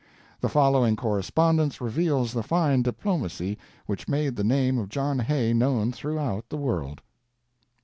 The following correspondence reveals the fine diplomacy which made the name of John Hay known throughout the world.